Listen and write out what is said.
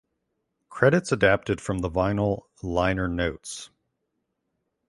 Credits adapted from the vinyl liner notes.